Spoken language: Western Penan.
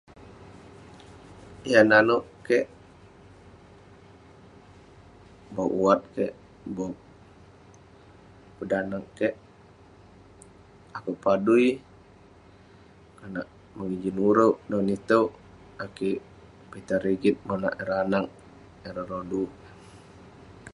Yah nanouk kek, bog wat kek, bog danag kek, akouk padui. Konak mengijin urouk. Langit itouk, akouk pitah rigit monak ireh anag, ireh rodu.